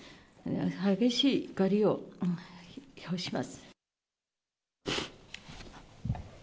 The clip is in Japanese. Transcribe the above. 激しい怒りを表します。